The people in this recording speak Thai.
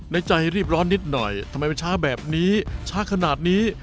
ในใจรีบร้อนนิดหน่อยทำไมมันช้าแบบนี้ช้าขนาดนี้